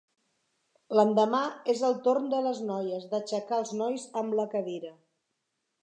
L'endemà és el torn de les noies d'aixecar els nois amb la cadira.